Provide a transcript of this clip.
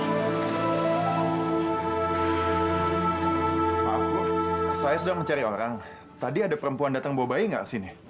maaf saya sedang mencari orang tadi ada perempuan datang bawa bayi gak sini